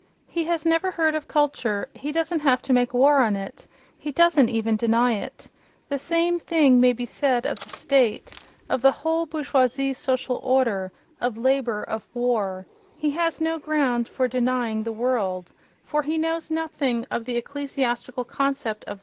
He has never heard of culture; he doesn't have to make war on it—he doesn't even deny it.... The same thing may be said of the state, of the whole bourgeoise social order, of labour, of war—he has no ground for denying "the world," for he knows nothing of the ecclesiastical concept of "the world"....